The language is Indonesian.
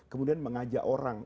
kemudian mengajak orang